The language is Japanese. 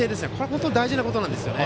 本当に大事なことなんです。